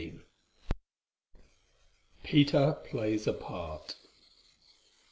PETER PLAYS A PART.